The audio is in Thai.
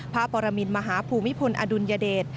ปรมินมหาภูมิพลอดุลยเดช